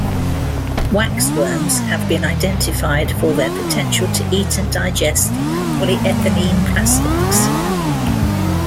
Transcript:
Waxworms have been identified for their potential to eat and digest polyethylene plastics.